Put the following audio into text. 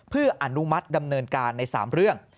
เพื่ออนุมัติดำเนินการใน๓เรื่อง